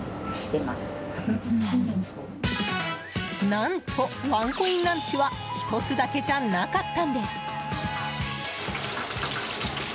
何とワンコインランチは１つだけじゃなかったんです。